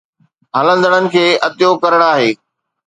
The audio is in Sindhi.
ھلندڙن کي عطيو ڪرڻ آھي